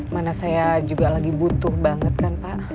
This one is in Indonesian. mana saya juga lagi butuh banget kan pak